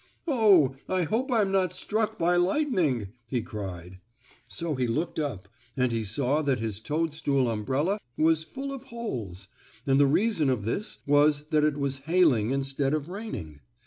"Oh, I hope I'm not struck by lightning!" he cried. So he looked up, and he saw that his toadstool umbrella was full of holes, and the reason of this was that it was hailing instead of raining.